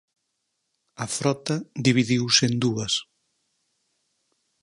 A frota dividiuse en dúas.